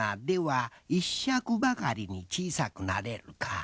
「では一尺ばかりに小さくなれるか？」